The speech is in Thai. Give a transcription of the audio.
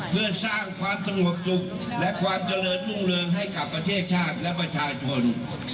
เพื่อสร้างความสงบสุขและความเจริญรุ่งเรืองให้กับประเทศชาติและประชาชน